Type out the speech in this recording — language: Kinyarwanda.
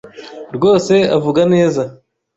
rwose avuga neza.